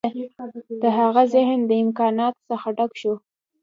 د هغه ذهن د امکاناتو څخه ډک شو